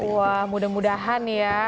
wah mudah mudahan ya